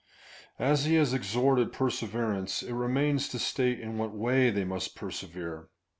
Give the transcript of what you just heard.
As he had exhorted to perseverance, it remained to state in what way they must persevere.